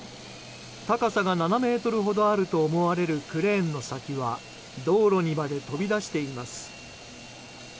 高さが７ｍほどあると思われるクレーンの先は道路にまで飛び出しています。